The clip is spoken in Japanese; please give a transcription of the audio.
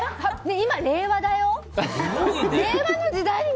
今、令和だよ？